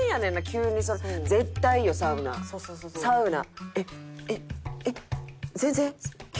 急にその「絶対いいよサウナ。サウナ」。